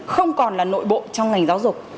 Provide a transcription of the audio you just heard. không còn là nội bộ trong ngành giáo dục